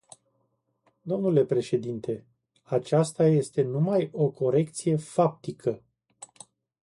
Dle președinte, aceasta este numai o corecție faptică.